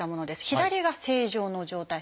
左が正常の状態。